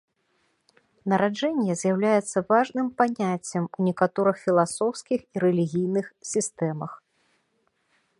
Нараджэнне з'яўляецца важным паняццем у некаторых філасофскіх і рэлігійных сістэмах.